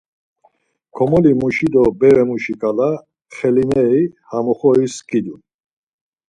Komolimuşi do berepemuşi ǩala xelineri ha oxoris skidun.